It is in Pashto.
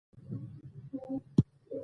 د نوې نوې مینې اور به په هر چا بلېږي